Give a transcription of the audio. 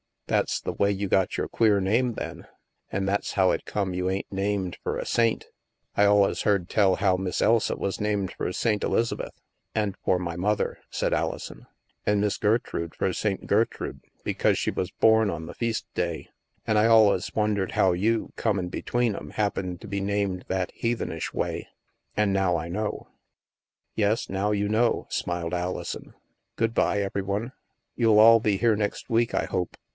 " That's the way you got your queer name then ? An' that's how it come you ain't named f er a saint ? I alius heard tell how Miss Elsa was named fer St. EUzabeth." And for my mother," said Alison. An' Miss Gertrude fer St. Gertrude, because she wus bom on the feast day. An' I alius won dered how you, comin' between 'em, happened to be named that heathenish way. An' now I know." " Yes, now you know," smiled Alison. " Good bye, every one. You'll all be here next week, I hope."